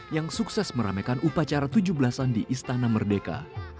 yang sukses meramaikan upacara tujuh belasan di istana merdeka